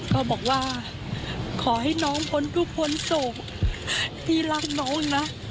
ก็บอกว่าขอให้น้องพ้นทุกคนโศกพี่รักน้องนะ